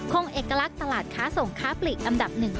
เอกลักษณ์ตลาดค้าส่งค้าปลีกอันดับหนึ่ง